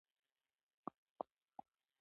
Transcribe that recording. کله کله، خو انګلیسي مرسته کوي